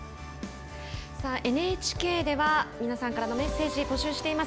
ＮＨＫでは皆さんからのメッセージ募集しています。